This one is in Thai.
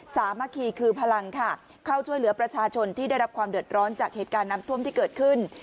สามัคคีคือพลังค่ะเข้าช่วยเหลือประชาชนที่ได้รับความเดือดร้อนจากเหตุการณ์น้ำท่วมที่เกิดขึ้น